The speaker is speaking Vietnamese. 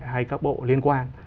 hay các bộ liên quan